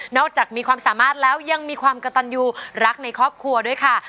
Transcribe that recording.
จากมีความสามารถแล้วยังมีความกระตันยูรักในครอบครัวด้วยค่ะ